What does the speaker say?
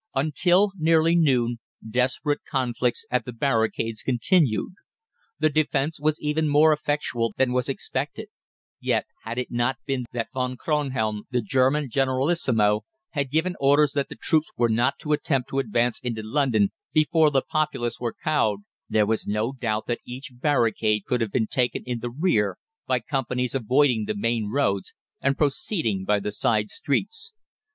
Until nearly noon desperate conflicts at the barricades continued. The defence was even more effectual than was expected; yet, had it not been that Von Kronhelm, the German generalissimo, had given orders that the troops were not to attempt to advance into London before the populace were cowed, there was no doubt that each barricade could have been taken in the rear by companies avoiding the main roads and proceeding by the side streets.